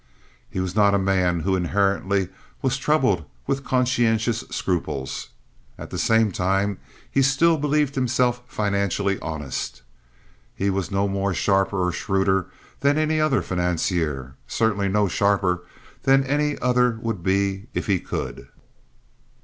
He was not a man who inherently was troubled with conscientious scruples. At the same time he still believed himself financially honest. He was no sharper or shrewder than any other financier—certainly no sharper than any other would be if he could.